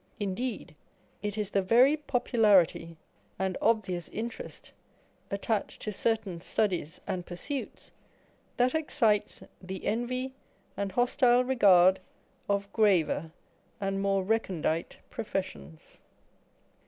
Indeed, it is the very popularity and obvious interest at tached to certain studies and pursuits, that excites the envy and hostile regard of graver and more recondite pro fessions.